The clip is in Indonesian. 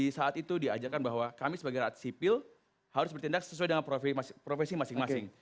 di saat itu diajarkan bahwa kami sebagai rakyat sipil harus bertindak sesuai dengan profesi masing masing